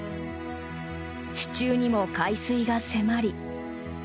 支柱にも海水が迫り。